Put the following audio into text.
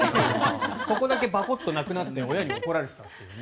そこだけバコッとなくなって親に怒られちゃうっていうね。